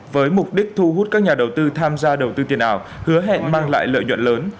với mục đích thu hút các nhà đầu tư tham gia đầu tư tiền ảo hứa hẹn mang lại lợi nhuận lớn